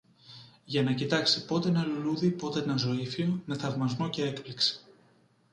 για να κοιτάξει πότε ένα λουλούδι, πότε ένα ζωύφιο, με θαυμασμό κι έκπληξη